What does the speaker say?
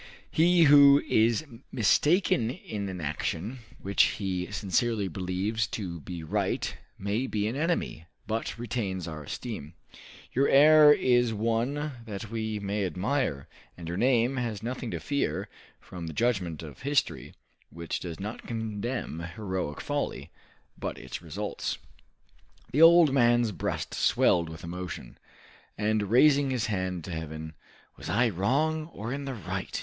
He who is mistaken in an action which he sincerely believes to be right may be an enemy, but retains our esteem. Your error is one that we may admire, and your name has nothing to fear from the judgment of history, which does not condemn heroic folly, but its results." The old man's breast swelled with emotion, and raising his hand to heaven, "Was I wrong, or in the right?"